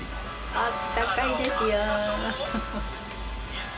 あったかいですよ。